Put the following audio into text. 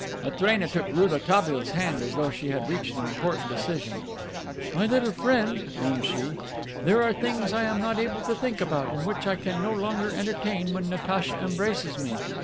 Matrena took Rouletabille's hand as though she had reached an important decision. "My little friend," moaned she, "there are things I am not able to think about and which I can no longer entertain when Natacha embraces me.